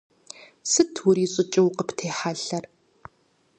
Сыт урищӀыкӀыу къыптехьэлъэр?